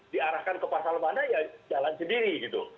diarahkan ke pasal mana ya jalan sendiri gitu